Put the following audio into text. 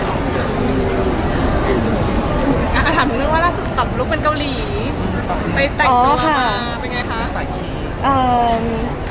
ถามคือล่ะหรือว่าล่าจะตอบลูกเป็นเคราหลีไปแต่งตัวมาเป็นไงคะ